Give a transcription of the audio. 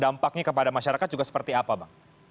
dampaknya kepada masyarakat juga seperti apa bang